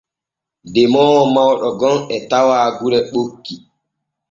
Demoowo mawɗo gom e tawa gure ɓokki.